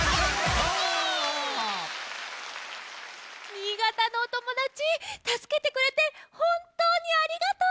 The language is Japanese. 新潟のおともだちたすけてくれてほんとうにありがとう！